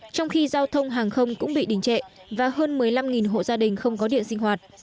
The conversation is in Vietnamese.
trong khi giao thông hàng không cũng bị đình trệ và hơn một mươi năm hộ gia đình không có điện sinh hoạt